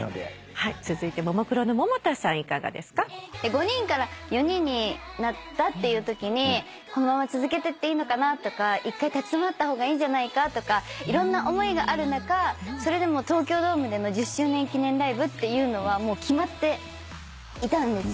５人から４人になったっていうときにこのまま続けてっていいのかなとか１回立ち止まった方がいいんじゃないかとかいろんな思いがある中それでも東京ドームでの１０周年記念ライブっていうのはもう決まっていたんですよ。